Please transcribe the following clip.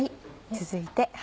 続いて。